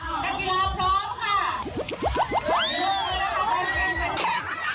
นักกีฬาพร้อมค่ะ